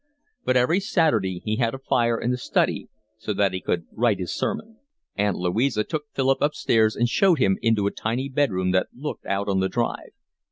But every Saturday he had a fire in the study so that he could write his sermon. Aunt Louisa took Philip upstairs and showed him into a tiny bed room that looked out on the drive.